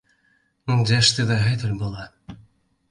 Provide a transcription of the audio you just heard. Дзе ж ты дагэтуль была?